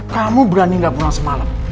kamu berani gak pulang semalam